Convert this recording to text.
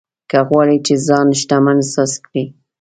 که غواړې چې ځان شتمن احساس کړې.